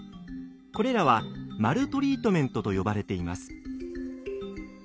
これらはマルトリートメントと呼ばれています。